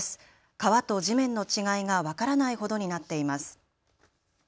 川と地面の違いが分からないほどになっています。